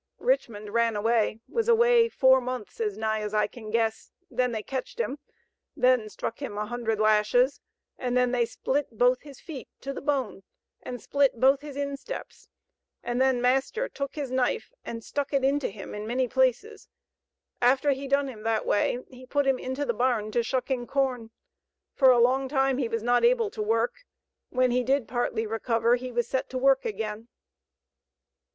Richmond ran away, was away four months, as nigh as I can guess, then they cotched him, then struck him a hundred lashes, and then they split both feet to the bone, and split both his insteps, and then master took his knife and stuck it into him in many places; after he done him that way, he put him into the barn to shucking corn. For a long time he was not able to work; when he did partly recover, he was set to work again."